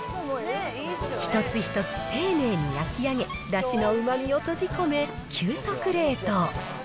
一つ一つていねいに焼き上げ、だしのうまみを閉じ込め、急速冷凍。